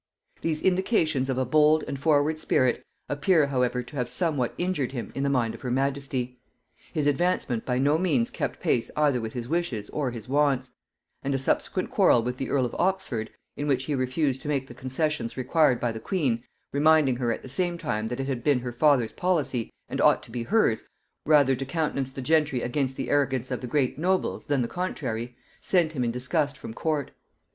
These indications of a bold and forward spirit appear however to have somewhat injured him in the mind of her majesty; his advancement by no means kept pace either with his wishes or his wants; and a subsequent quarrel with the earl of Oxford, in which he refused to make the concessions required by the queen, reminding her at the same time that it had been her father's policy, and ought to be hers, rather to countenance the gentry against the arrogance of the great nobles than the contrary, sent him in disgust from court.